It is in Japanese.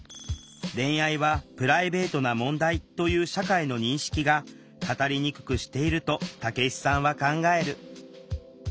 恋愛はプライベートな問題という社会の認識が語りにくくしていると武子さんは考える